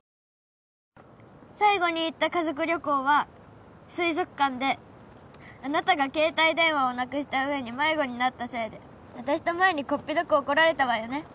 最後に行った家族旅行は水族館であなたが携帯電話をなくした上に迷子になったせいで私と麻衣にこっぴどく怒られたわよね